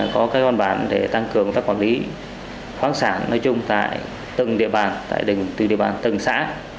có các văn bản để tăng cường các quản lý khoáng sản nói chung từ địa bàn từ địa bàn tầng xã